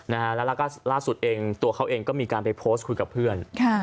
แล้วก็ล่าสุดเองตัวเขาเองก็มีการไปโพสต์คุยกับเพื่อน